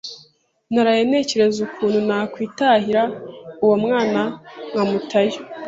Naraye ntekereza ukuntu nakwitahira uwo mwana nkamutayo